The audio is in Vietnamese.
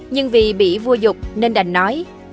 nhưng vì bị vua dục nên đành nói